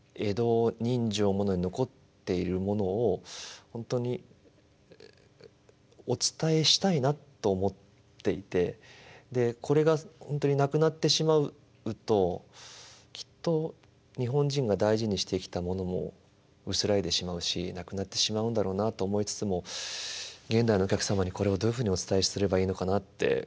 江戸人情物に残っているものを本当にお伝えしたいなと思っていてでこれが本当になくなってしまうときっと日本人が大事にしてきたものも薄らいでしまうしなくなってしまうんだろうなと思いつつも現代のお客様にこれをどういうふうにお伝えすればいいのかなって。